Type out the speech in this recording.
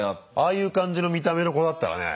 ああいう感じの見た目の子だったらね